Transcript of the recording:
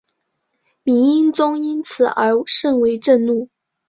明英宗因此而甚为震怒。